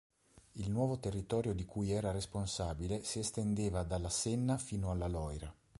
Il nuovo territorio di cui era responsabile si estendeva dalla Senna fino alla Loira.